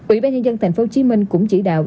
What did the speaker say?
ủy ban nhân dân tp hcm cũng chỉ đạo